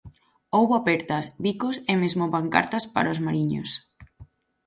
Houbo apertas, bicos e mesmo pancartas para os mariños.